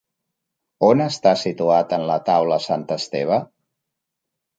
On està situat en la taula sant Esteve?